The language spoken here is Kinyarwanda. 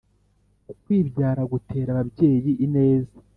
ukwibyara gutera ababyeyi ineza,